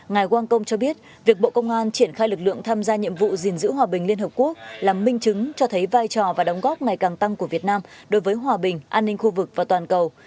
ngài quang công cho biết việc bộ công an triển khai lực lượng tham gia nhiệm vụ gìn giữ hòa bình liên hợp quốc là minh chứng cho thấy vai trò và đóng góp ngày càng tăng của việt nam đối với hòa bình an ninh khu vực và toàn cầu